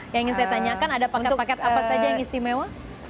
yang ingin saya tanyakan ada paket paket apa saja yang istimewa